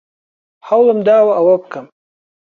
هەوڵم داوە ئەوە بکەم.